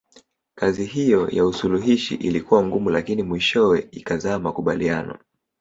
Kazi hiyo ya usuluhishi ilikuwa ngumu lakini mwishowe ikazaa makubaliano